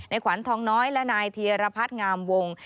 ขวัญทองน้อยและนายเทียรพัฒน์งามวง